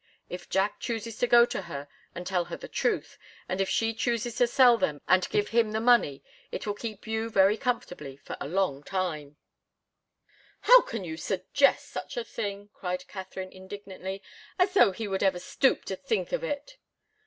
If Jack chooses to go to her and tell her the truth, and if she chooses to sell them and give him the money, it will keep you very comfortably for a long time " "How can you suggest such a thing!" cried Katharine, indignantly. "As though he would ever stoop to think of it!"